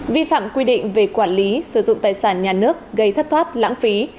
vi phạm quy định về quản lý sử dụng tài sản nhà nước gây thất thoát lãng phí